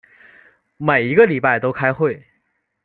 每一个礼拜都开会。